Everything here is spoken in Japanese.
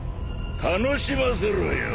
楽しませろよ！